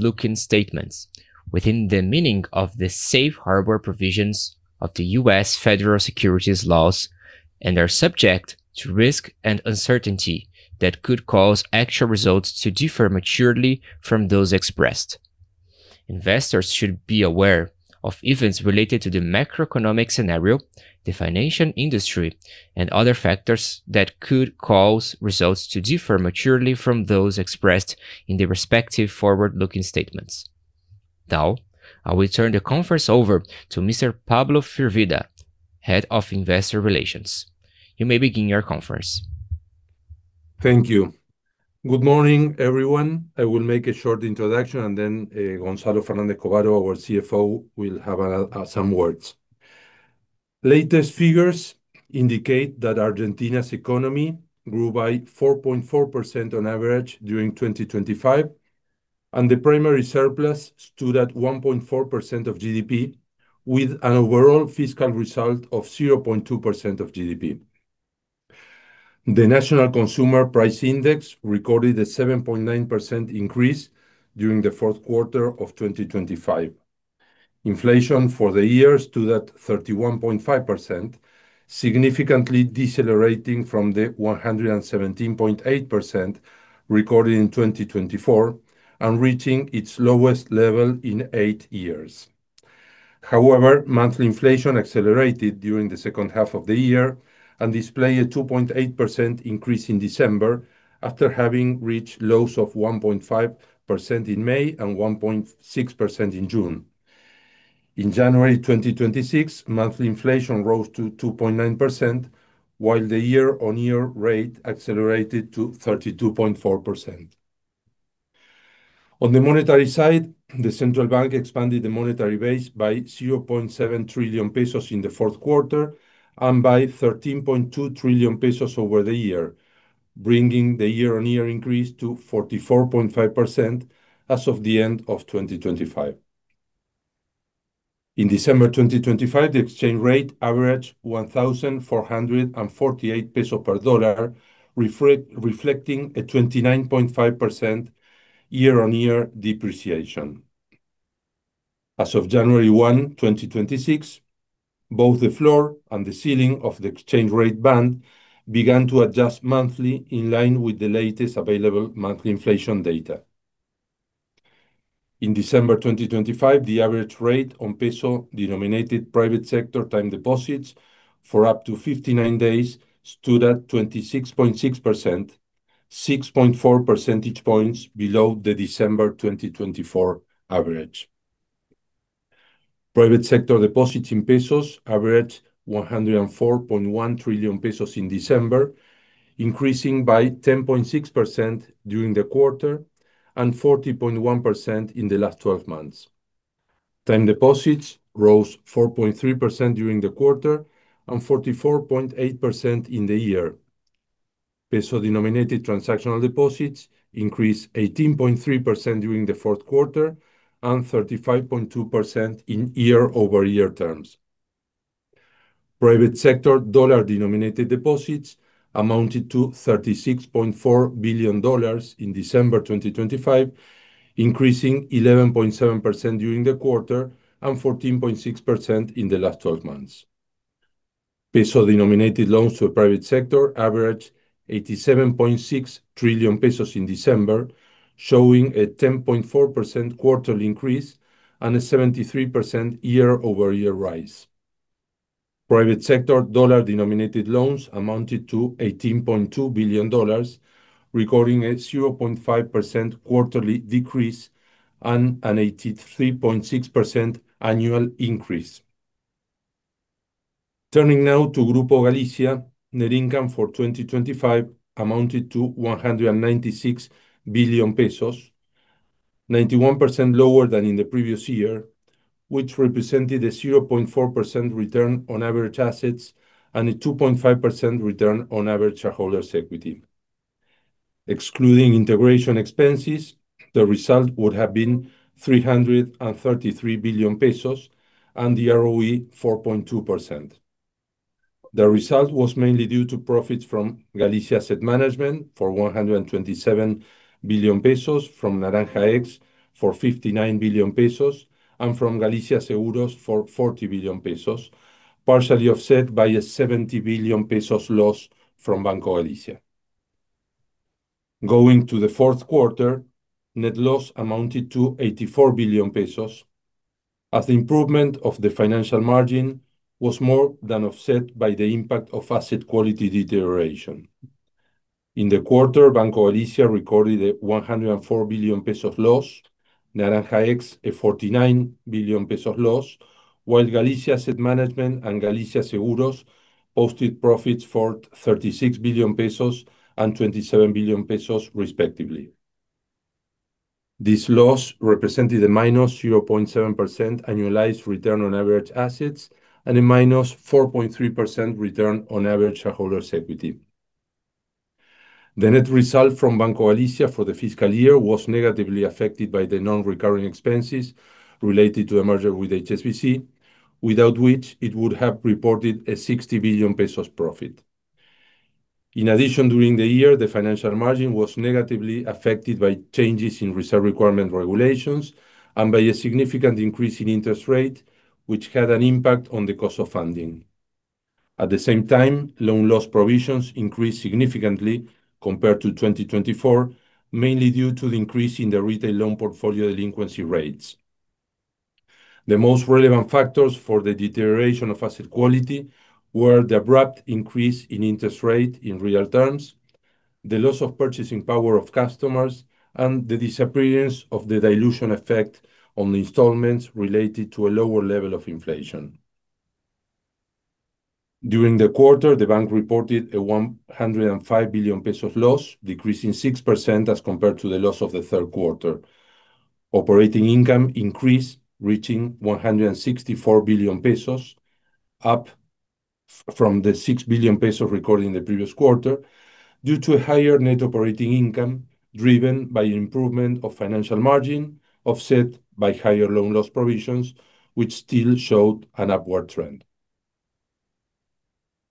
Looking statements within the meaning of the safe harbor provisions of the U.S. federal securities laws and are subject to risk and uncertainty that could cause actual results to differ materially from those expressed. Investors should be aware of events related to the macroeconomic scenario, the financial industry, and other factors that could cause results to differ materially from those expressed in the respective forward-looking statements. Now, I will turn the conference over to Mr. Pablo Firvida, Head of Investor Relations. You may begin your conference. Thank you. Good morning, everyone. I will make a short introduction, and then, Gonzalo Fernández Covaro, our CFO, will have some words. Latest figures indicate that Argentina's economy grew by 4.4% on average during 2025, and the primary surplus stood at 1.4% of GDP, with an overall fiscal result of 0.2% of GDP. The National Consumer Price Index recorded a 7.9% increase during the fourth quarter of 2025. Inflation for the year stood at 31.5%, significantly decelerating from the 117.8% recorded in 2024 and reaching its lowest level in eight years. However, monthly inflation accelerated during the second half of the year and displayed a 2.8% increase in December after having reached lows of 1.5% in May and 1.6% in June. In January 2026, monthly inflation rose to 2.9%, while the year-on-year rate accelerated to 32.4%. On the monetary side, the central bank expanded the monetary base by 0.7 trillion pesos in the fourth quarter and by 13.2 trillion pesos over the year, bringing the year-on-year increase to 44.5% as of the end of 2025. In December 2025, the exchange rate averaged 1,448 pesos per dollar, reflecting a 29.5% year-on-year depreciation. As of January 1, 2026, both the floor and the ceiling of the exchange rate band began to adjust monthly in line with the latest available monthly inflation data. In December 2025, the average rate on peso-denominated private sector time deposits for up to 59 days stood at 26.6%, 6.4 percentage points below the December 2024 average. Private sector deposits in pesos averaged 104.1 trillion pesos in December, increasing by 10.6% during the quarter and 40.1% in the last 12 months. Time deposits rose 4.3% during the quarter and 44.8% in the year. Peso-denominated transactional deposits increased 18.3% during the fourth quarter and 35.2% in year-over-year terms. Private sector dollar-denominated deposits amounted to $36.4 billion in December 2025, increasing 11.7% during the quarter and 14.6% in the last 12 months. Peso-denominated loans to the private sector averaged 87.6 trillion pesos in December, showing a 10.4% quarterly increase and a 73% year-over-year rise. Private sector dollar-denominated loans amounted to $18.2 billion, recording a 0.5% quarterly decrease and an 83.6% annual increase. Turning now to Grupo Galicia, net income for 2025 amounted to 196 billion pesos, 91% lower than in the previous year, which represented a 0.4% return on average assets and a 2.5% return on average shareholders' equity. Excluding integration expenses, the result would have been 333 billion pesos and the ROE 4.2%. The result was mainly due to profits from Galicia Asset Management for 127 billion pesos, from Naranja X for 59 billion pesos, and from Galicia Seguros for 40 billion pesos, partially offset by a 70 billion pesos loss from Banco Galicia. Going to the fourth quarter, net loss amounted to 84 billion pesos as the improvement of the financial margin was more than offset by the impact of asset quality deterioration. In the quarter, Banco Galicia recorded a 104 billion pesos loss, Naranja X a 49 billion pesos loss, while Galicia Asset Management and Galicia Seguros posted profits for 36 billion pesos and 27 billion pesos respectively. This loss represented a -0.7% annualized return on average assets and a -4.3% return on average shareholders' equity. The net result from Banco Galicia for the fiscal year was negatively affected by the non-recurring expenses related to a merger with HSBC, without which it would have reported a 60 billion pesos profit. During the year, the financial margin was negatively affected by changes in reserve requirement regulations and by a significant increase in interest rate, which had an impact on the cost of funding. At the same time, loan loss provisions increased significantly compared to 2024, mainly due to the increase in the retail loan portfolio delinquency rates. The most relevant factors for the deterioration of asset quality were the abrupt increase in interest rate in real terms, the loss of purchasing power of customers, and the disappearance of the dilution effect on installments related to a lower level of inflation. During the quarter, the bank reported a 105 billion pesos loss, decreasing 6% as compared to the loss of the third quarter. Operating income increased, reaching 164 billion pesos, up from the 6 billion pesos recorded in the previous quarter due to a higher net operating income, driven by improvement of financial margin, offset by higher loan loss provisions, which still showed an upward trend.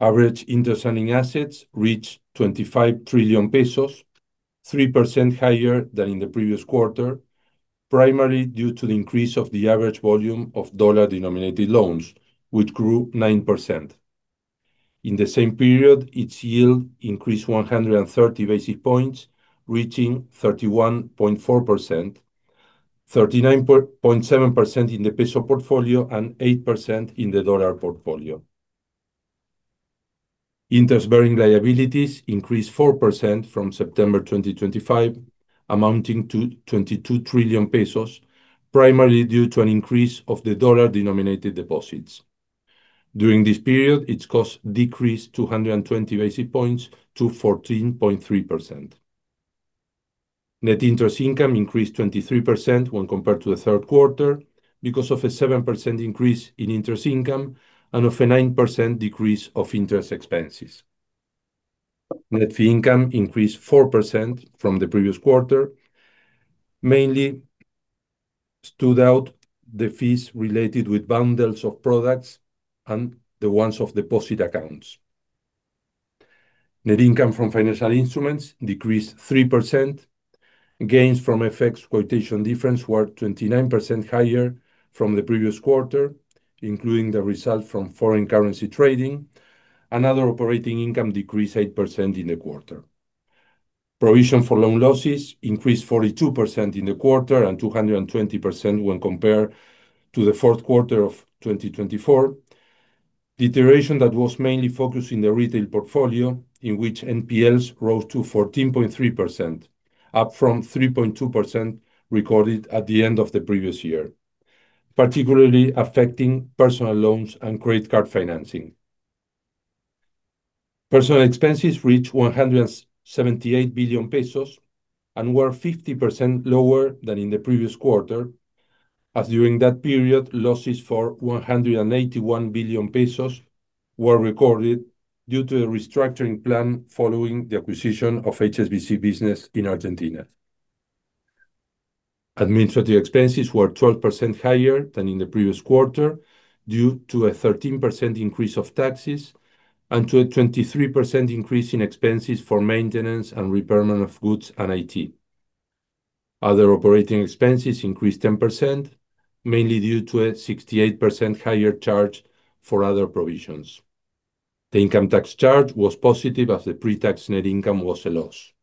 Average interest earning assets reached 25 trillion pesos, 3% higher than in the previous quarter, primarily due to the increase of the average volume of dollar-denominated loans, which grew 9%. In the same period, its yield increased 130 basis points, reaching 31.4%, 39.7% in the ARS portfolio and 8% in the $ portfolio. Interest-bearing liabilities increased 4% from September 2025, amounting to 22 trillion pesos, primarily due to an increase of the $ denominated deposits. During this period, its cost decreased 220 basis points to 14.3%. Net interest income increased 23% when compared to the third quarter because of a 7% increase in interest income and of a 9% decrease of interest expenses. Net fee income increased 4% from the previous quarter, mainly stood out the fees related with bundles of products and the ones of deposit accounts. Net income from financial instruments decreased 3%. Gains from FX quotation difference were 29% higher from the previous quarter, including the result from foreign currency trading, and other operating income decreased 8% in the quarter. Provision for loan losses increased 42% in the quarter and 220% when compared to the fourth quarter of 2024. Deterioration that was mainly focused in the retail portfolio, in which NPLs rose to 14.3%, up from 3.2% recorded at the end of the previous year, particularly affecting personal loans and credit card financing. Personal expenses reached 178 billion pesos and were 50% lower than in the previous quarter, as during that period, losses for 181 billion pesos were recorded due to a restructuring plan following the acquisition of HSBC business in Argentina. Administrative expenses were 12% higher than in the previous quarter due to a 13% increase of taxes and to a 23% increase in expenses for maintenance and repairmen of goods and IT. Other operating expenses increased 10%, mainly due to a 68% higher charge for other provisions. The income tax charge was positive, as the pre-tax net income was a loss.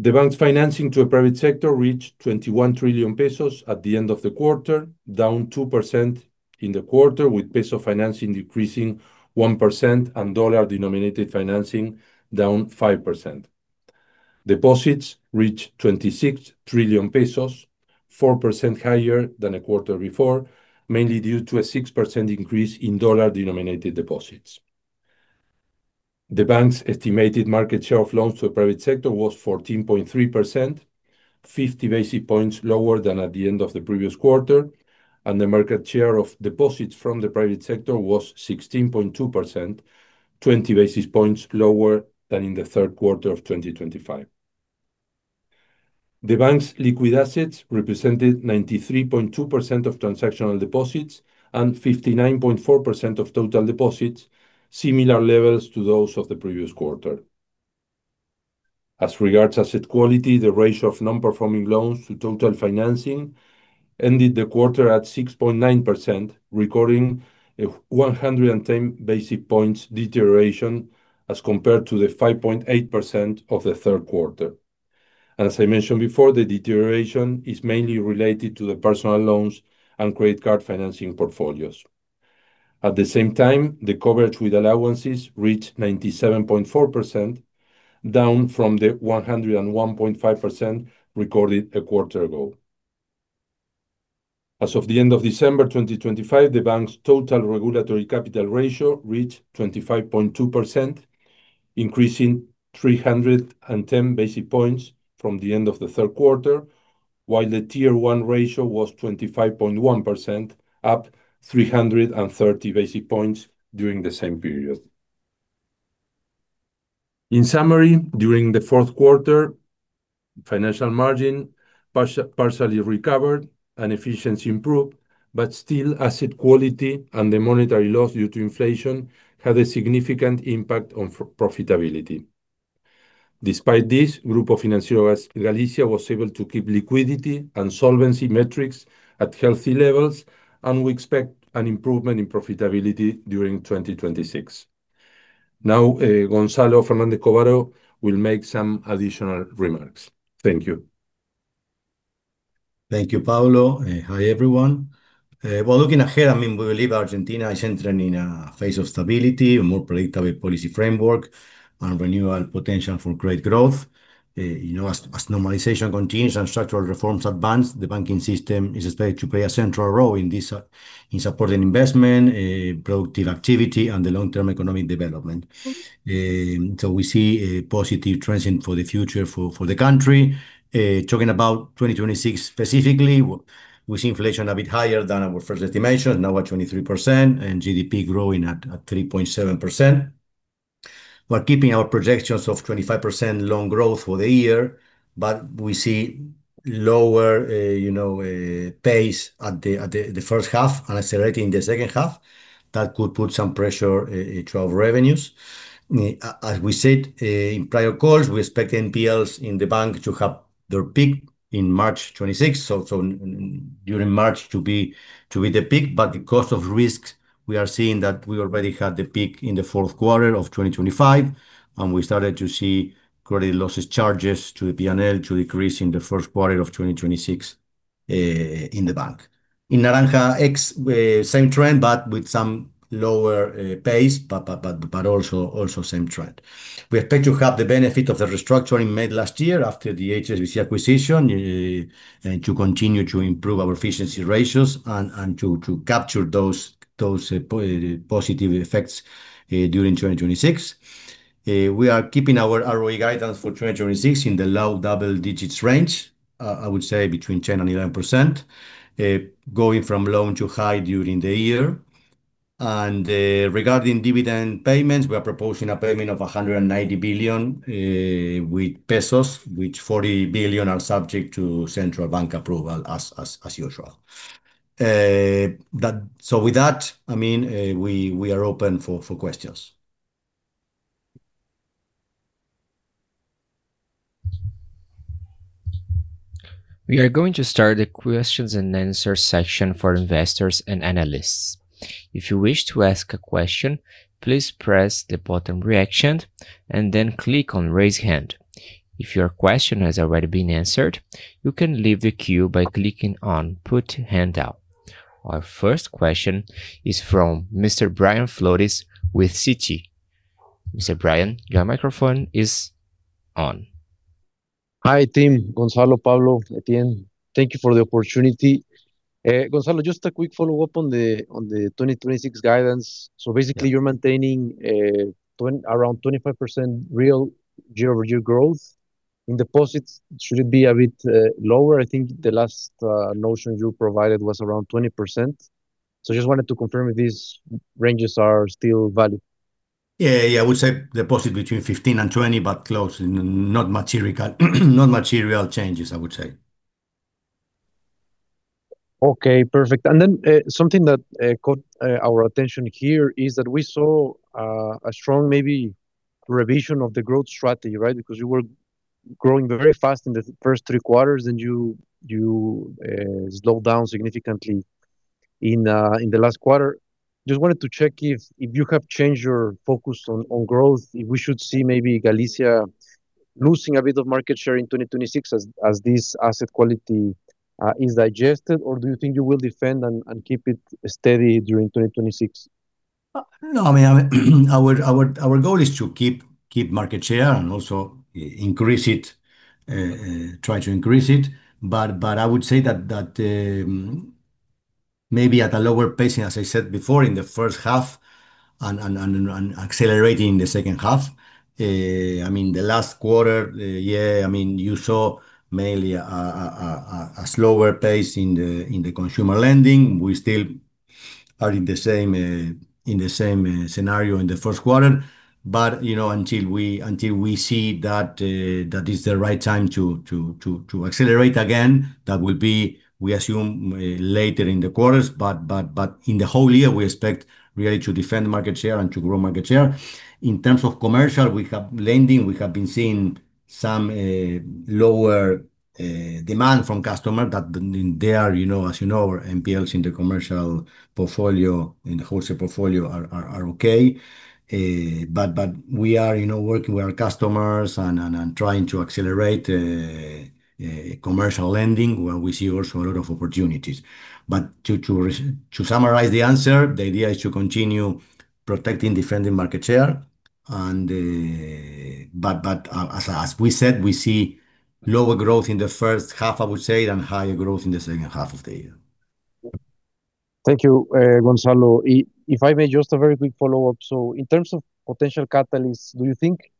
The bank's financing to the private sector reached 21 trillion pesos at the end of the quarter, down 2% in the quarter, with peso financing decreasing 1% and dollar-denominated financing down 5%. Deposits reached 26 trillion pesos, 4% higher than a quarter before, mainly due to a 6% increase in dollar-denominated deposits. The bank's estimated market share of loans to the private sector was 14.3%, 50 basis points lower than at the end of the previous quarter, and the market share of deposits from the private sector was 16.2%, 20 basis points lower than in the third quarter of 2025. The bank's liquid assets represented 93.2% of transactional deposits and 59.4% of total deposits, similar levels to those of the previous quarter. As regards asset quality, the ratio of non-performing loans to total financing ended the quarter at 6.9%, recording a 110 basis points deterioration as compared to the 5.8% of the third quarter. As I mentioned before, the deterioration is mainly related to the personal loans and credit card financing portfolios. At the same time, the coverage with allowances reached 97.4%, down from the 101.5% recorded a quarter ago. As of the end of December 2025, the bank's total regulatory capital ratio reached 25.2%, increasing 310 basis points from the end of the third quarter, while the Tier 1 ratio was 25.1%, up 330 basis points during the same period. In summary, during the fourth quarter-Financial margin partially recovered and efficiency improved, but still, asset quality and the monetary loss due to inflation had a significant impact on profitability. Despite this, Grupo Financiero Galicia was able to keep liquidity and solvency metrics at healthy levels, and we expect an improvement in profitability during 2026. Now, Gonzalo Fernández Covaro will make some additional remarks. Thank you. Thank you, Pablo. Hi, everyone. Well, looking ahead, I mean, we believe Argentina is entering in a phase of stability, a more predictable policy framework, and renewal potential for great growth. You know, as normalization continues and structural reforms advance, the banking system is expected to play a central role in this, in supporting investment, productive activity, and the long-term economic development. We see a positive trends in for the future for the country. Talking about 2026 specifically, we see inflation a bit higher than our first estimation, now at 23%, and GDP growing at 3.7%. We're keeping our projections of 25% loan growth for the year, but we see lower, you know, pace at the first half and accelerating in the second half. That could put some pressure to our revenues. As we said, in prior calls, we expect NPLs in the bank to have their peak in March 2026. During March to be the peak. The cost of risks, we are seeing that we already had the peak in the fourth quarter of 2025, and we started to see credit losses charges to the P&L to decrease in the first quarter of 2026 in the bank. In Naranja X, same trend but with some lower pace, but also same trend. We expect to have the benefit of the restructuring made last year after the HSBC acquisition, and to continue to improve our efficiency ratios and to capture those positive effects during 2026. We are keeping our ROE guidance for 2026 in the low double digits range, I would say between 10% and 11%, going from low to high during the year. Regarding dividend payments, we are proposing a payment of 190 billion with pesos, which 40 billion are subject to central bank approval as usual. With that, I mean, we are open for questions. We are going to start the questions and answers section for investors and analysts. If you wish to ask a question, please press the button Reaction and then click on Raise Hand. If your question has already been answered, you can leave the queue by clicking on Put Hand Down. Our first question is from Mr. Brian Flores with Citi. Mr. Brian, your microphone is on. Hi, team, Gonzalo, Pablo, Etienne. Thank you for the opportunity. Gonzalo, just a quick follow-up on the 2026 guidance. Basically, you're maintaining around 25% real year-over-year growth. In deposits, should it be a bit lower? I think the last notion you provided was around 20%. Just wanted to confirm if these ranges are still valid. Yeah, yeah. I would say deposit between 15% and 20%, but close and not material changes, I would say. Okay, perfect. Something that caught our attention here is that we saw a strong maybe revision of the growth strategy, right? Because you were growing very fast in the first three quarters, and you slowed down significantly in the last quarter. Just wanted to check if you have changed your focus on growth, if we should see maybe Galicia losing a bit of market share in 2026 as this asset quality is digested, or do you think you will defend and keep it steady during 2026? No. I mean, our goal is to keep market share and also increase it, try to increase it. I would say that, maybe at a lower pacing, as I said before, in the first half and accelerating in the second half. I mean, the last quarter, yeah. I mean, you saw mainly a slower pace in the consumer lending. We still are in the same, in the same scenario in the first quarter. You know, until we see that is the right time to accelerate again, that will be, we assume, later in the quarters. In the whole year, we expect really to defend market share and to grow market share. In terms of commercial, we have lending. We have been seeing some lower demand from customer that then in there, you know, as you know, our NPLs in the commercial portfolio, in the wholesale portfolio are okay. We are, you know, working with our customers and trying to accelerate commercial lending where we see also a lot of opportunities. To summarize the answer, the idea is to continue protecting, defending market share and. As we said, we see lower growth in the first half, I would say, than higher growth in the second half of the year. Thank you, Gonzalo. If I may, just a very quick follow-up. In terms of potential catalysts, do you think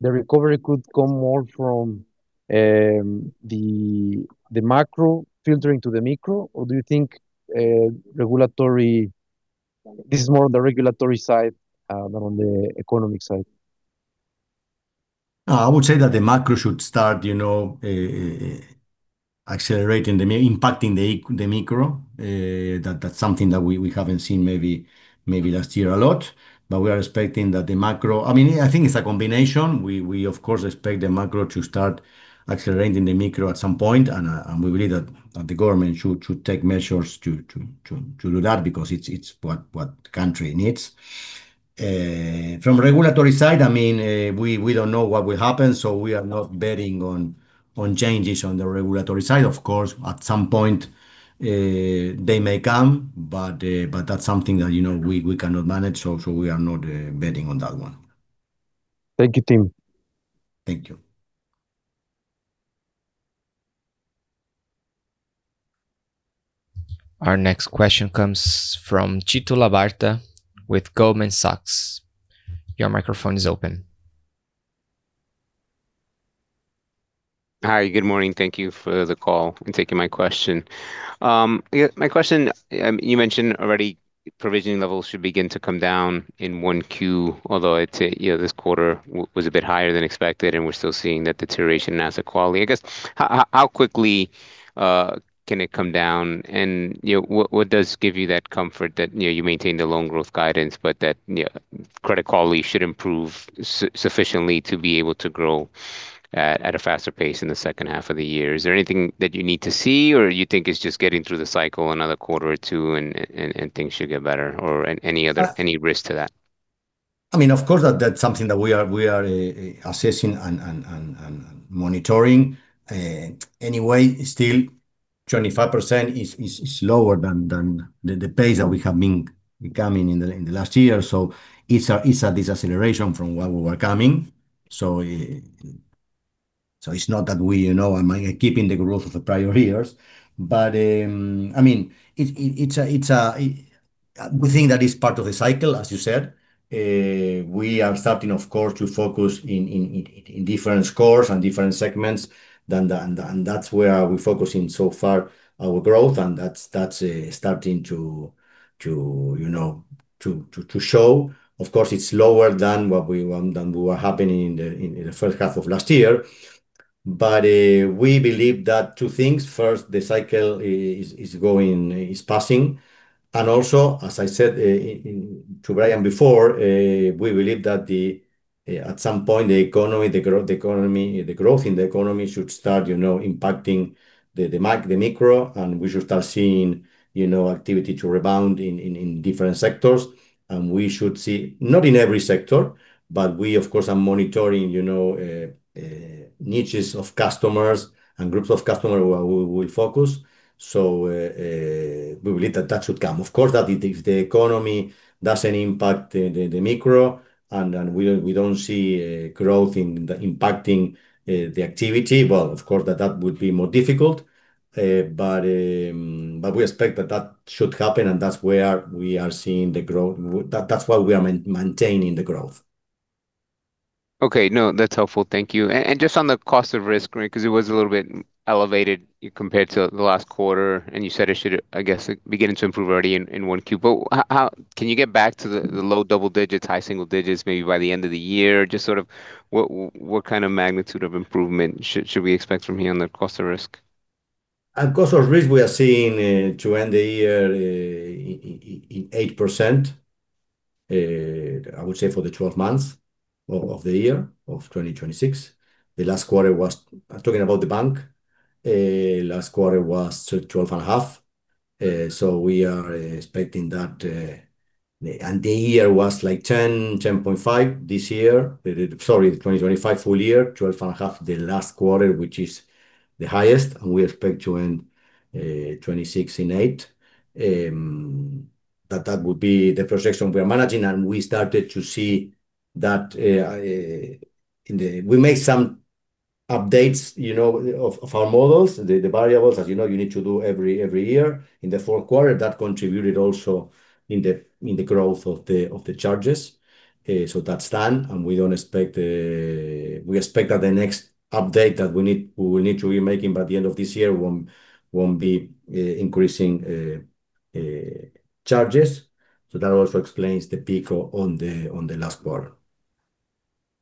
the recovery could come more from the macro filtering to the micro, or do you think regulatory? This is more on the regulatory side, than on the economic side. I would say that the macro should start, you know, accelerating, impacting the micro. That's something that we haven't seen maybe last year a lot. We are expecting that the macro... I mean, yeah, I think it's a combination. We of course expect the macro to start accelerating the micro at some point, and we believe that the government should take measures to do that because it's what the country needs. From regulatory side, I mean, we don't know what will happen, we are not betting on changes on the regulatory side. Of course, at some point, they may come, that's something that, you know, we cannot manage, so we are not betting on that one. Thank you, team. Thank you. Our next question comes from Tito Labarta with Goldman Sachs. Your microphone is open. Hi. Good morning. Thank you for the call and taking my question. Yeah, my question, you mentioned already provisioning levels should begin to come down in 1Q, although it's, you know, this quarter was a bit higher than expected, and we're still seeing that deterioration in asset quality. I guess, how quickly can it come down? You know, what does give you that comfort that, you know, you maintain the loan growth guidance but that, you know, credit quality should improve sufficiently to be able to grow at a faster pace in the second half of the year? Is there anything that you need to see, or you think it's just getting through the cycle another quarter or two and things should get better, or any other risk to that? I mean, of course, that's something that we are assessing and monitoring. Anyway, still 25% is lower than the pace that we have been becoming in the last year. It's a deceleration from where we were coming. It's not that we, you know, keeping the growth of the prior years. I mean, we think that it's part of the cycle, as you said. We are starting, of course, to focus in different scores and different segments than the... That's where we're focusing so far our growth, and that's starting to, you know, to show. Of course, it's lower than what we want, than what happened in the first half of last year. We believe that two things. First, the cycle is going, is passing. Also, as I said to Brian before, we believe that at some point, the economy, the growth in the economy should start, you know, impacting the micro, and we should start seeing, you know, activity to rebound in different sectors. We should see, not in every sector, but we of course are monitoring, you know, niches of customers and groups of customers where we'll focus. We believe that that should come. Of course, that if the economy doesn't impact the micro, and then we don't see growth in the impacting the activity, well, of course that that would be more difficult. We expect that that should happen, and that's where we are seeing the growth. That's why we are maintaining the growth. Okay. No, that's helpful. Thank you. Just on the cost of risk, right? 'Cause it was a little bit elevated compared to the last quarter, and you said it should, I guess, begin to improve already in 1Q. How can you get back to the low double digits, high single digits maybe by the end of the year? Just sort of what kind of magnitude of improvement should we expect from here on the cost of risk? At cost of risk, we are seeing to end the year in 8%, I would say for the 12 months of the year of 2026. The last quarter was... I'm talking about the bank. Last quarter was 12.5%. We are expecting that, the year was like 10.5% this year. Sorry, 2025 full year, 12.5% the last quarter, which is the highest, we expect to end 2026 in 8%. That would be the projection we are managing. We started to see that in the... We made some updates, you know, of our models, the variables as you know you need to do every year. In the fourth quarter, that contributed also in the growth of the charges. That's done, and we expect that the next update that we need to be making by the end of this year won't be increasing charges. That also explains the peak on the last quarter.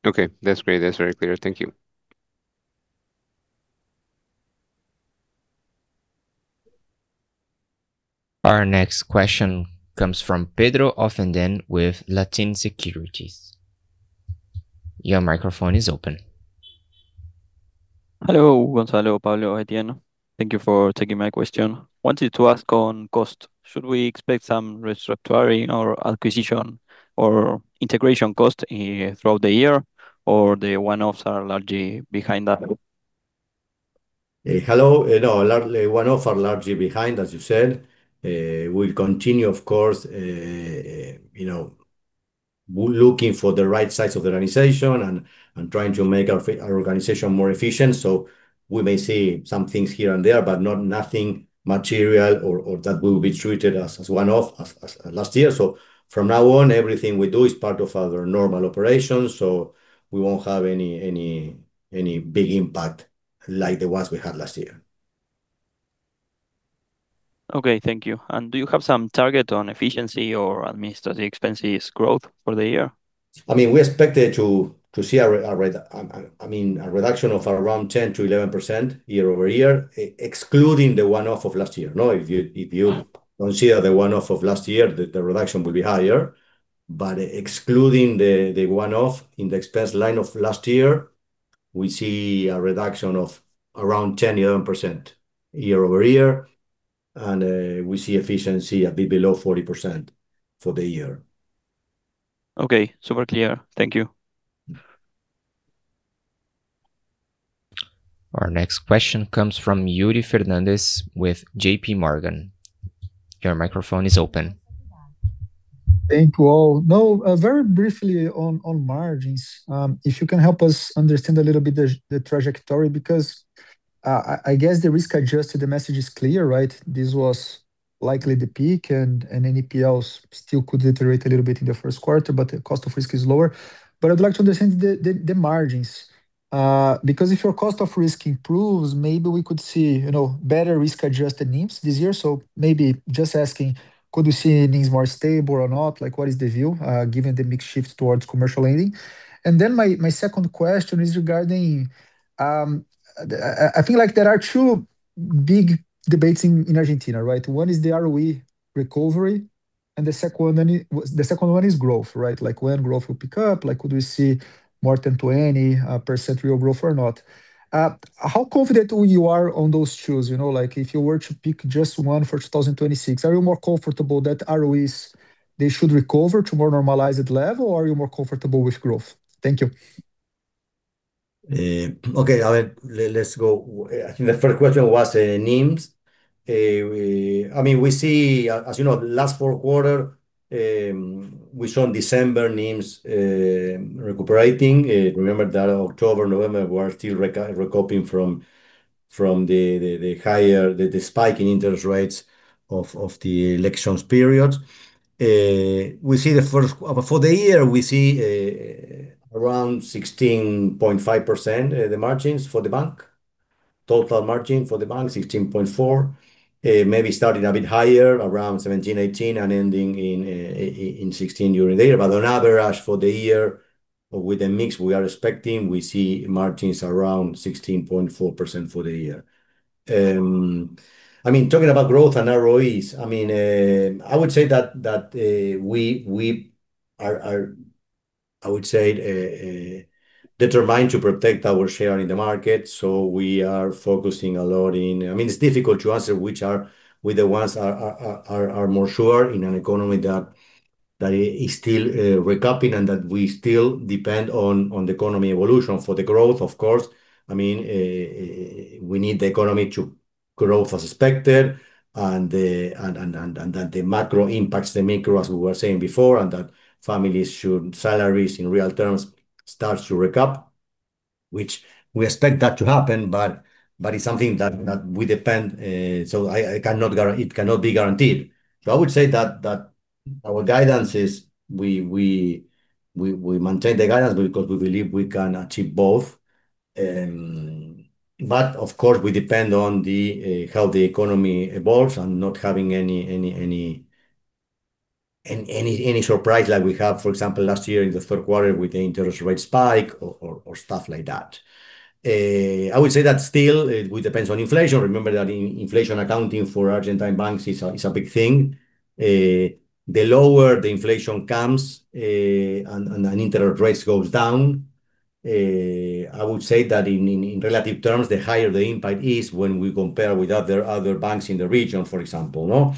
Okay. That's great. That's very clear. Thank you. Our next question comes from Pedro Offenhenden with Latin Securities. Your microphone is open. Hello, Gonzalo, Pablo, Adrian. Thank you for taking my question. Wanted to ask on cost, should we expect some restructuring or acquisition or integration cost throughout the year, or the one-offs are largely behind that? Hello. No, largely one-off are largely behind, as you said. We'll continue, of course, you know, looking for the right size of the organization and trying to make our organization more efficient. We may see some things here and there, but not nothing material or that will be treated as one-off as last year. From now on, everything we do is part of our normal operations, we won't have any big impact like the ones we had last year. Okay, thank you. Do you have some target on efficiency or administrative expenses growth for the year? I mean, we expected to see a reduction of around 10%-11% year-over-year, excluding the one-off of last year, no? If you don't see the one-off of last year, the reduction will be higher. Excluding the one-off in the expense line of last year, we see a reduction of around 10%-11% year-over-year, and we see efficiency a bit below 40% for the year. Okay. Super clear. Thank you. Our next question comes from Yuri Fernandes with JPMorgan. Your microphone is open. Thank you all. Very briefly on margins, if you can help us understand a little bit the trajectory, because I guess the risk-adjusted message is clear, right? This was likely the peak and NPLs still could iterate a little bit in the first quarter, but the cost of risk is lower. I'd like to understand the margins, because if your cost of risk improves, maybe we could see, you know, better risk-adjusted NIMs this year. Maybe just asking, could you see NIMs more stable or not? Like, what is the view given the mix shift towards commercial lending? My second question is regarding, I feel like there are two big debates in Argentina, right? One is the ROE recovery, the second one is growth, right? Like, when growth will pick up. Like, would we see more than 20% real growth or not? How confident are you on those twos? You know, like, if you were to pick just one for 2026, are you more comfortable that ROEs, they should recover to more normalized level, or are you more comfortable with growth? Thank you. Okay. Let's go. I think the first question was NIMs. I mean, we see, as you know, last four quarter, we saw in December NIMs recuperating. Remember that October, November, we are still recovering from the higher, the spike in interest rates of the elections period. For the year, we see around 16.5% the margins for the bank. Total margin for the bank, 16.4%. Maybe starting a bit higher, around 17%, 18%, and ending in 16% year-end data. On average for the year, with the mix we are expecting, we see margins around 16.4% for the year. I mean, talking about growth and ROEs, I mean, I would say that we are determined to protect our share in the market. We are focusing a lot in... I mean, it's difficult to answer which the ones are more sure in an economy that is still recouping and that we still depend on the economy evolution for the growth, of course. I mean, we need the economy to growth as expected, and that the macro impacts the micro, as we were saying before, and that families salaries in real terms starts to recoup, which we expect that to happen, but it's something that we depend, so it cannot be guaranteed. I would say that our guidance is we maintain the guidance because we believe we can achieve both. Of course, we depend on the how the economy evolves and not having any surprise like we have, for example, last year in the third quarter with the interest rate spike or stuff like that. I would say that still it will depends on inflation. Remember that in inflation accounting for Argentine banks is a big thing. The lower the inflation comes, and interest rates goes down, I would say that in relative terms, the higher the impact is when we compare with other banks in the region, for example, no?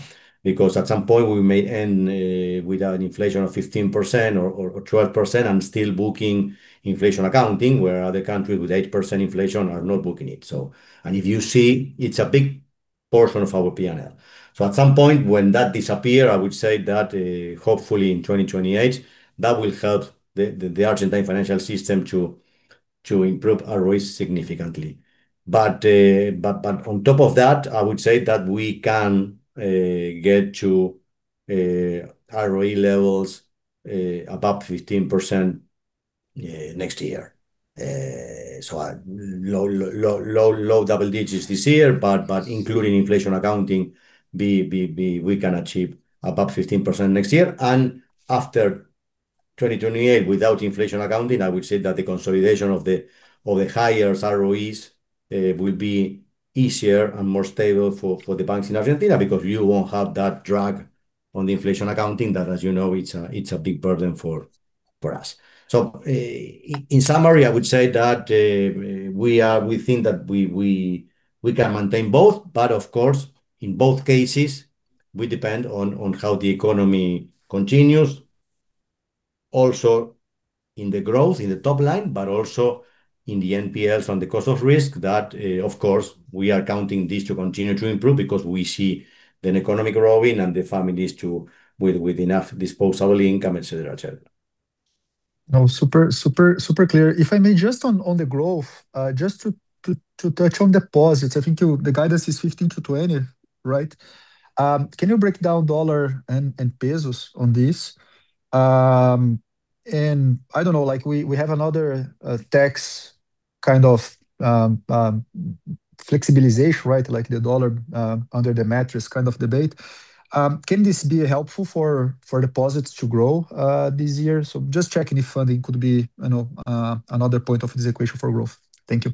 At some point, we may end with an inflation of 15% or 12% and still booking inflation accounting, where other country with 8% inflation are not booking it. If you see, it's a big portion of our P&L. At some point, when that disappear, I would say that hopefully in 2028, that will help the Argentine financial system to improve ROEs significantly. On top of that, I would say that we can get to ROE levels above 15% next year. Low double digits this year, but including inflation accounting, we can achieve above 15% next year. After 2028, without inflation accounting, I would say that the consolidation of the, of the higher ROEs will be easier and more stable for the banks in Argentina, because you won't have that drag on the inflation accounting that, as you know, it's a, it's a big burden for us. In summary, I would say that we think that we can maintain both, but of course, in both cases, we depend on how the economy continues, also in the growth, in the top line, but also in the NPLs and the cost of risk that, of course, we are counting this to continue to improve because we see the economic growing and the families with enough disposable income, et cetera, et cetera. No, super, super clear. If I may just on the growth, just to touch on deposits. I think the guidance is 15%-20%, right? Can you break down dollar and pesos on this? I don't know, like we have another tax kind of flexibilization, right? Like the dollar under the mattress kind of debate. Can this be helpful for deposits to grow this year? Just checking if funding could be, you know, another point of this equation for growth. Thank you.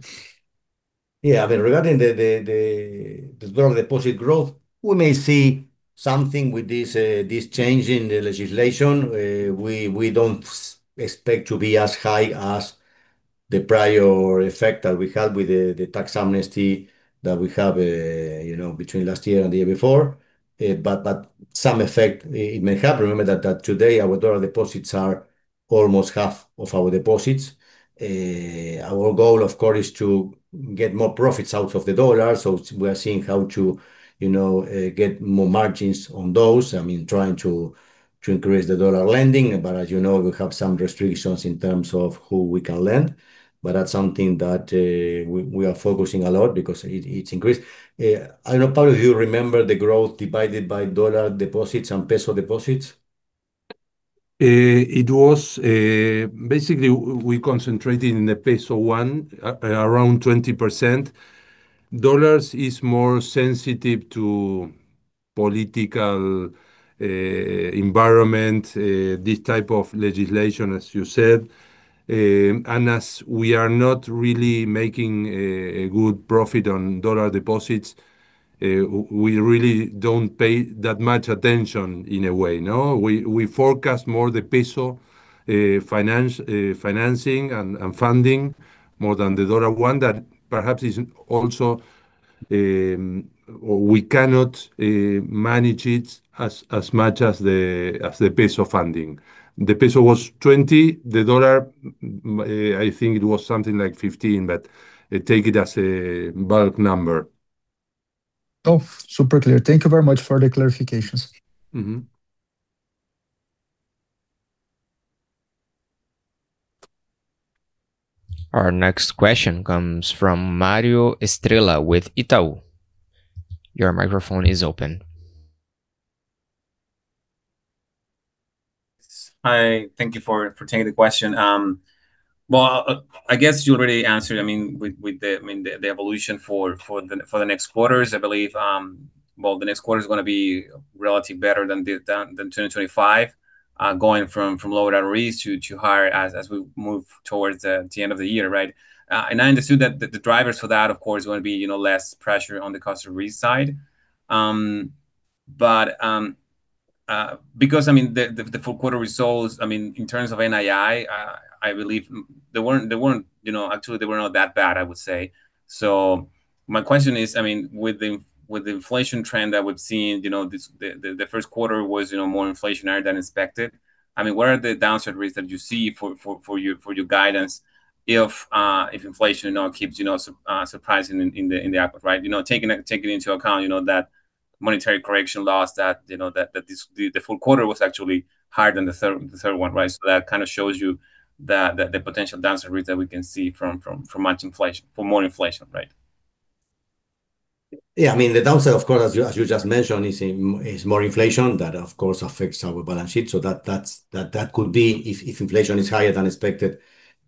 Yeah. Regarding the dollar deposit growth, we may see something with this change in the legislation. We don't expect to be as high as the prior effect that we had with the tax amnesty that we have, you know, between last year and the year before. Some effect it may have. Remember that today our dollar deposits are almost half of our deposits. Our goal of course, is to get more profits out of the dollar, so we are seeing how to, you know, get more margins on those. I mean, trying to increase the dollar lending. As you know, we have some restrictions in terms of who we can lend, but that's something that we are focusing a lot because it's increased. I'm not sure if you remember the growth divided by dollar deposits and peso deposits. It was basically we concentrated in the peso one, around 20%. Dollars is more sensitive to political environment, this type of legislation, as you said. As we are not really making a good profit on dollar deposits, we really don't pay that much attention in a way, no. We forecast more the peso finance, financing and funding more than the dollar one that perhaps is also, we cannot manage it as much as the peso funding. The peso was 20%. The dollar, I think it was something like 15%, but take it as a bulk number. Oh, super clear. Thank you very much for the clarifications. Mm-hmm. Our next question comes from Mario Estrella with Itaú. Your microphone is open. Hi. Thank you for taking the question. Well, I guess you already answered, I mean, with the, I mean, the evolution for the next quarters. I believe, well, the next quarter is gonna be relatively better than 2025, going from lower rates to higher as we move towards the end of the year, right? I understood that the drivers for that of course are gonna be, you know, less pressure on the cost of risk. Because I mean, the full quarter results, I mean, in terms of NII, I believe they weren't, you know... actually they were not that bad, I would say. My question is, I mean, with the inflation trend that we've seen, you know, the first quarter was, you know, more inflationary than expected. I mean, what are the downside risks that you see for your guidance if inflation, you know, keeps, you know, surprising in the output, right? You know, taking into account, you know, that monetary correction loss that, you know, that the full quarter was actually higher than the third one, right? That kind of shows you the potential downside risk that we can see from much inflation, from more inflation, right? Yeah. I mean, the downside of course as you just mentioned, is more inflation. That of course affects our balance sheet. That's, that could be if inflation is higher than expected,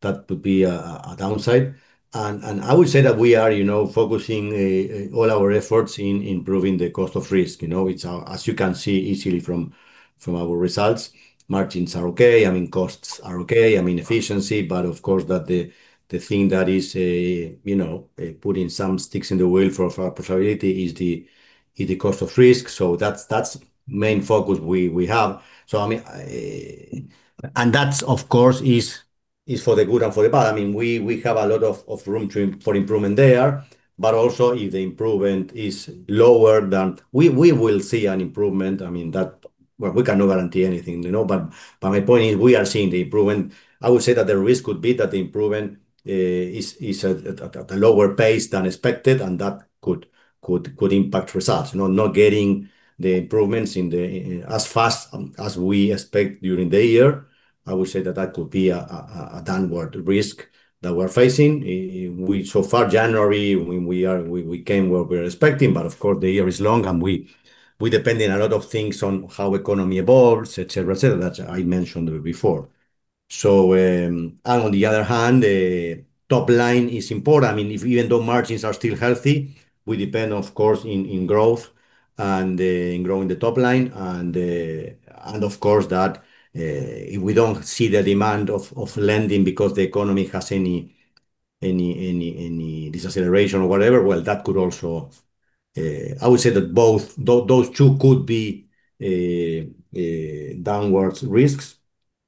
that could be a downside. I would say that we are, you know, focusing all our efforts in improving the cost of risk, you know. It's as you can see easily from our results, margins are okay. I mean, costs are okay. I mean, efficiency, but of course that the thing that is, you know, putting some sticks in the wheel for profitability is the cost of risk. That's the main focus we have. I mean, and that's of course for the good and for the bad. I mean, we have a lot of room for improvement there, but also if the improvement is lower than. We will see an improvement. I mean, that. Well, we cannot guarantee anything, you know, but my point is we are seeing the improvement. I would say that the risk could be that the improvement is at a lower pace than expected, and that could impact results, you know. Not getting the improvements in as fast as we expect during the year, I would say that that could be a downward risk that we're facing. We, so far, January, we came where we're expecting, but of course the year is long and we depend on a lot of things on how economy evolves, et cetera, et cetera, that I mentioned before. On the other hand, the top line is important. I mean, if even though margins are still healthy, we depend of course in growth and in growing the top line and of course that if we don't see the demand of lending because the economy has any deceleration or whatever, well, that could also, I would say that both, those two could be downwards risks.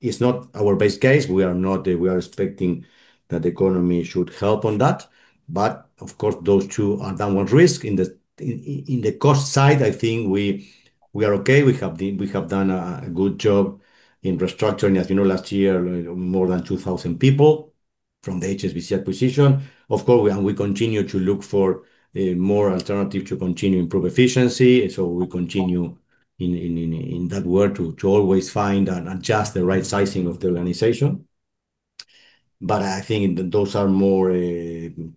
It's not our base case. We are expecting that the economy should help on that. Those two are downward risk. In the cost side, I think we are okay. We have done a good job in restructuring, as you know, last year, you know, more than 2,000 people from the HSBC acquisition. We continue to look for more alternative to continue improve efficiency. We continue in that work to always find and adjust the right sizing of the organization. I think those are more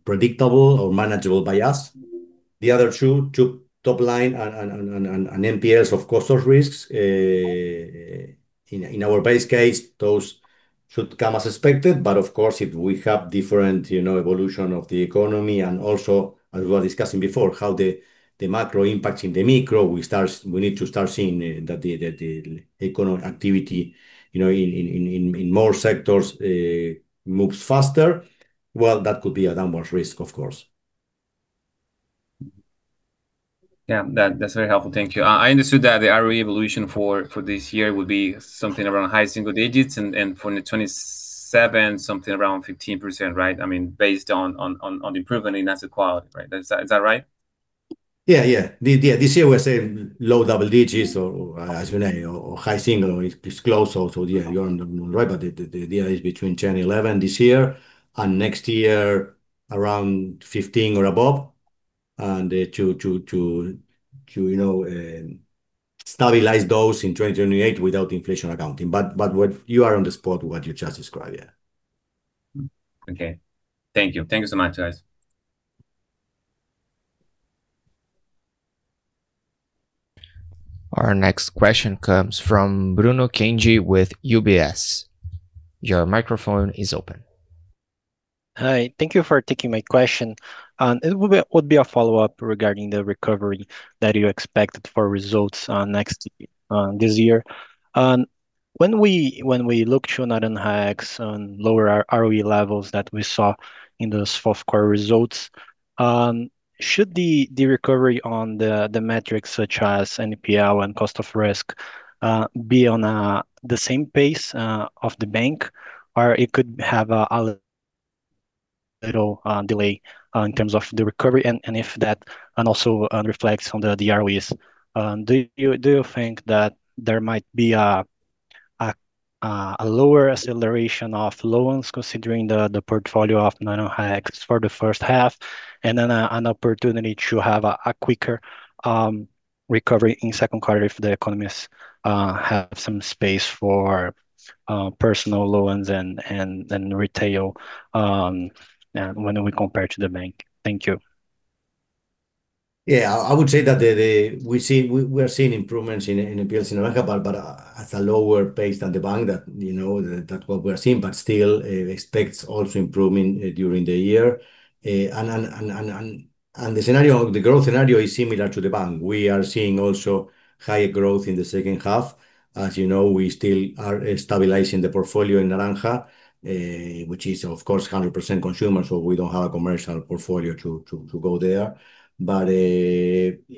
predictable or manageable by us. The other two top line and NPLs of cost of risk, in our base case, those should come as expected. Of course, if we have different, you know, evolution of the economy and also, as we were discussing before, how the macro impacts in the micro, we start. We need to start seeing that the activity, you know, in more sectors, moves faster. That could be a downwards risk, of course. Yeah. That's very helpful. Thank you. I understood that the ROE evolution for this year would be something around high single digits and for the 2027, something around 15%, right? I mean, based on improvement in asset quality, right? Is that right? Yeah, yeah. Yeah, this year we're saying low double digits or as you know, or high single. It's close also. Yeah, you're on the moon, right, but the idea is between 10, 11 this year, and next year around 15 or above. To, you know, stabilize those in 2028 without inflation accounting. What... You are on the spot what you just described, yeah. Okay. Thank you. Thank you so much, guys. Our next question comes from Bruno Kenji with UBS. Your microphone is open. Hi. Thank you for taking my question. It would be a follow-up regarding the recovery that you expected for results on next this year. When we look to Naranja X and lower ROE levels that we saw in those fourth quarter results, should the recovery on the metrics such as NPL and cost of risk be on the same pace of the bank, or it could have a little delay in terms of the recovery and if that also reflects on the ROEs? Do you think that there might be a lower acceleration of loans considering the portfolio of Naranja X for the first half, and then an opportunity to have a quicker recovery in second quarter if the economies have some space for personal loans and retail, and when we compare to the bank? Thank you. I would say that the We're seeing improvements in business in Naranja, but at a lower pace than the bank, you know, that's what we are seeing. Still expects also improving during the year. The scenario, the growth scenario is similar to the bank. We are seeing also higher growth in the second half. As you know, we still are stabilizing the portfolio in Naranja, which is of course 100% consumer, so we don't have a commercial portfolio to go there.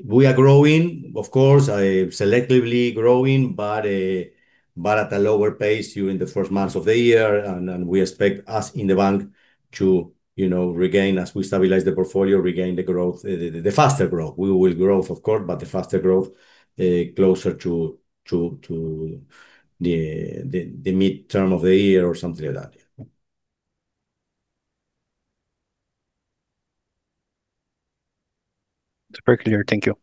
We are growing, of course, selectively growing, but at a lower pace during the first months of the year. We expect us in the bank to, you know, regain as we stabilize the portfolio, regain the growth, the faster growth. We will growth of course, but the faster growth, closer to the midterm of the year or something like that, yeah. Super clear. Thank you.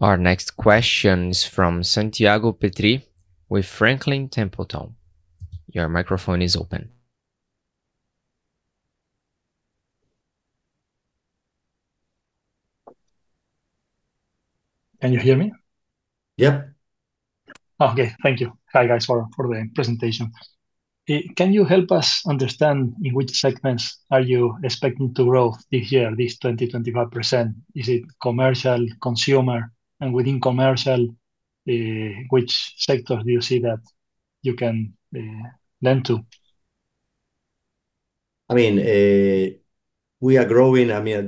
Our next question is from Santiago Petri with Franklin Templeton. Your microphone is open. Can you hear me? Yeah. Okay. Thank you. Hi, guys, for the presentation. Can you help us understand in which segments are you expecting to grow this year, this 20%, 25%? Is it commercial, consumer? Within commercial, which sector do you see that you can lend to? I mean, we are growing. I mean,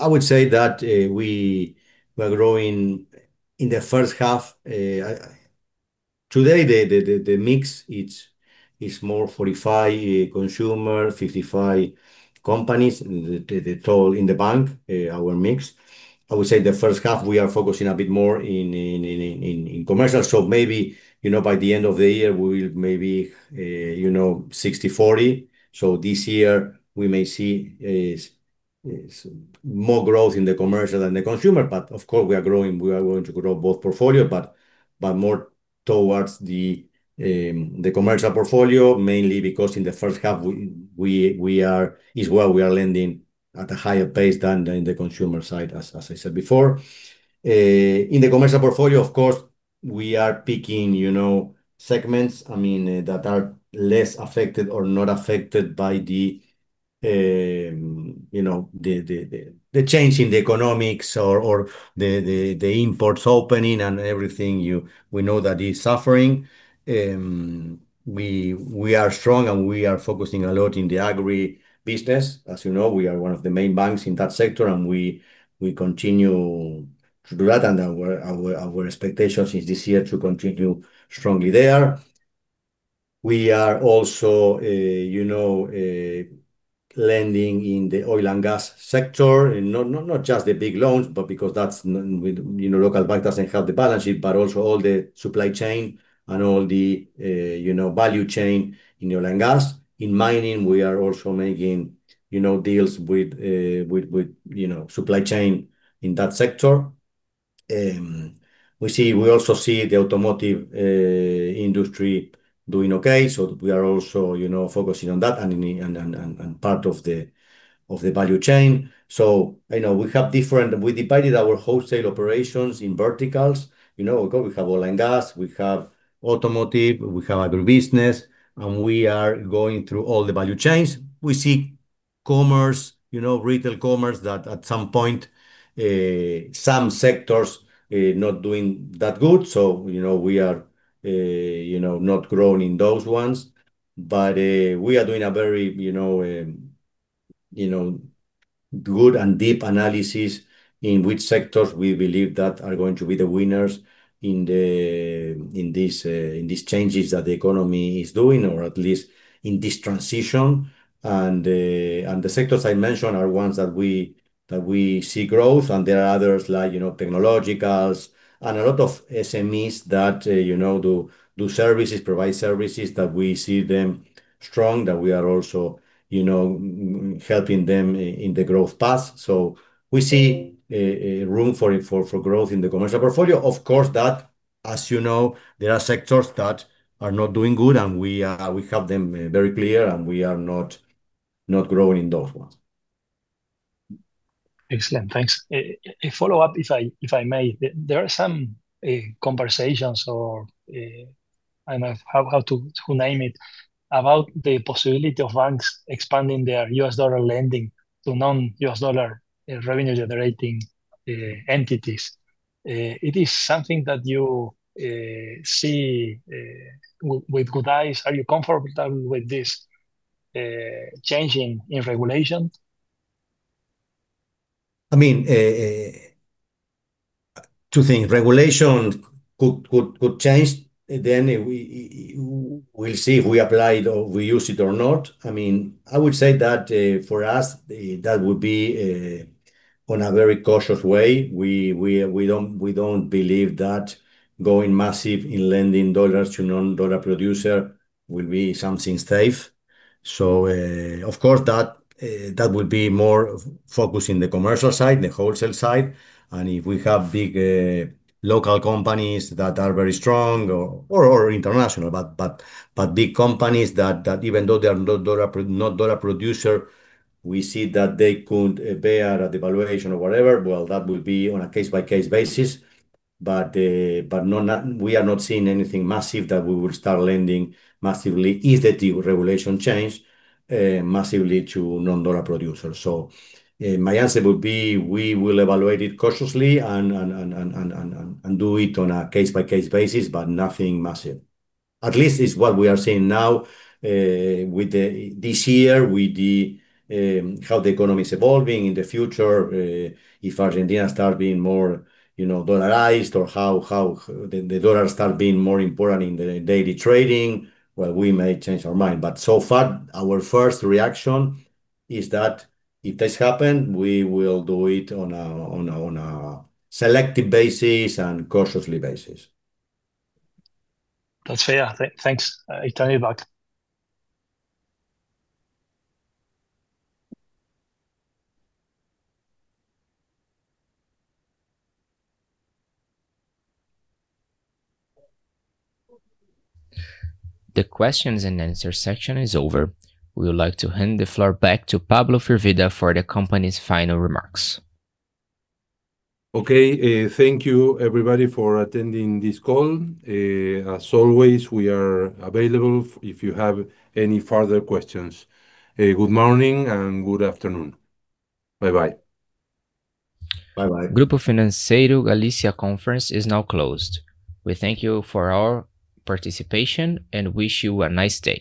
I would say that, we were growing in the first half. Today the mix is more 45 consumer, 55 companies, the total in the bank, our mix. I would say the first half we are focusing a bit more in commercial. Maybe, you know, by the end of the year we will maybe, you know, 60/40. This year we may see is more growth in the commercial than the consumer, but of course we are growing. We are going to grow both portfolio, but more towards the commercial portfolio mainly because in the first half we are where we are lending at a higher pace than in the consumer side as I said before. In the commercial portfolio, of course, we are picking, you know, segments, I mean, that are less affected or not affected by the, you know, the change in the economics or the imports opening and everything. We know that is suffering. We are strong, and we are focusing a lot in the agribusiness. As you know, we are one of the main banks in that sector, and we continue to do that. Our expectation is this year to continue strongly there. We are also, you know, lending in the oil and gas sector, and not just the big loans, but because you know, local bank doesn't have the balance sheet, but also all the supply chain and all the, you know, value chain in oil and gas. In mining, we are also making, you know, deals with, you know, supply chain in that sector. We see, we also see the automotive industry doing okay, so we are also, you know, focusing on that and part of the value chain. You know, We divided our wholesale operations in verticals. You know, We have oil and gas, we have automotive, we have agribusiness, and we are going through all the value chains. We see commerce, you know, retail commerce that at some point, some sectors, not doing that good, so, you know, we are, you know, not growing in those ones. We are doing a very, you know, you know, good and deep analysis in which sectors we believe that are going to be the winners in this, in these changes that the economy is doing or at least in this transition. The sectors I mentioned are ones that we see growth, and there are others like, you know, technologicals and a lot of SMEs that, you know, do services, provide services that we see them strong, that we are also, you know, helping them in the growth path. We see room for growth in the commercial portfolio. Of course that, as you know, there are sectors that are not doing good, and we are, we have them very clear, and we are not growing in those ones. Excellent. Thanks. A follow-up if I may. There are some conversations or I don't know how to name it, about the possibility of banks expanding their U.S. dollar lending to non-U.S. dollar revenue-generating entities. It is something that you see with good eyes? Are you comfortable with this changing in regulation? I mean, two things. Regulation could change, then we'll see if we apply it or we use it or not. I mean, I would say that for us that would be on a very cautious way. We don't believe that going massive in lending dollars to non-dollar producer will be something safe. Of course that would be more focused in the commercial side, the wholesale side. If we have big local companies that are very strong or international, but big companies that even though they are not dollar producer, we see that they could bear a devaluation or whatever, that will be on a case-by-case basis. But no, not... We are not seeing anything massive that we will start lending massively if the regulation change massively to non-dollar producers. My answer would be, we will evaluate it cautiously and do it on a case-by-case basis, but nothing massive. At least it's what we are seeing now, this year, with the how the economy is evolving in the future. If Argentina start being more, you know, dollarized or how the dollar start being more important in the daily trading, well, we may change our mind. So far, our first reaction is that if this happen, we will do it on a selective basis and cautiously basis. That's fair. Thanks. Turning back. The questions and answer section is over. We would like to hand the floor back to Pablo Firvida for the company's final remarks. Okay. Thank you, everybody, for attending this call. As always, we are available if you have any further questions. Good morning and good afternoon. Bye-bye. Bye-bye. Grupo Financiero Galicia conference is now closed. We thank you for all participation and wish you a nice day.